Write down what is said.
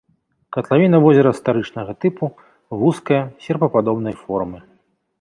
Катлавіна возера старычнага тыпу, вузкая, серпападобнай формы.